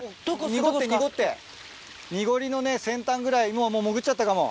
濁って濁って濁りの先端ぐらいもう潜っちゃったかも。